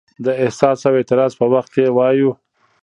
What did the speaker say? د احساس او اعتراض په وخت یې وایو.